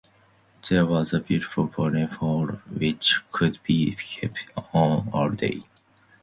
There was a beautiful port-hole which could be kept open all day.